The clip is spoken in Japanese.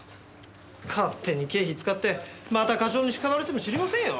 勝手に経費使ってまた課長に叱られても知りませんよ。